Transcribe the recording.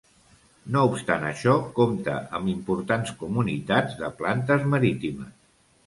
No obstant això, compta amb importants comunitats de plantes marítimes.